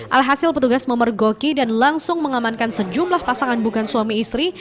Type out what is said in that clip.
alhasil petugas memergoki dan langsung mengamankan sejumlah pasangan bukan suami istri